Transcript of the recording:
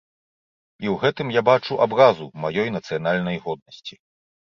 І ў гэтым я бачу абразу маёй нацыянальнай годнасці.